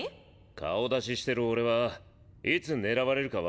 顔出ししてる俺はいつ狙われるか分からない。